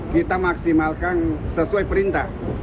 kita maksimalkan sesuai perintah